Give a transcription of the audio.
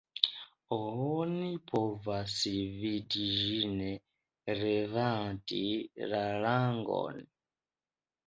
Oni povas vidi ĝin levante la langon.